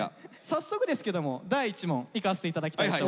早速ですけども第１問いかせて頂きたいと思います。